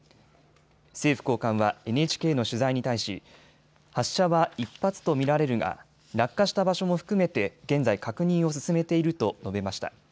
政府高官はＮＨＫの取材に対し発射は１発と見られるが落下した場所も含めて現在確認を進めていると述べました。